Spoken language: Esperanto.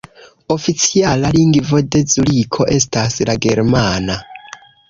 Oficiala lingvo de Zuriko estas la germana.